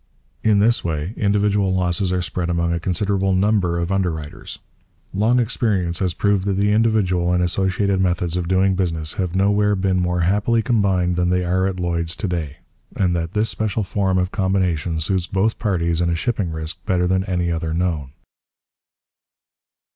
In this way individual losses are spread among a considerable number of underwriters. Long experience has proved that the individual and associated methods of doing business have nowhere been more happily combined than they are at Lloyd's to day, and that this special form of combination suits both parties in a shipping risk better than any other known.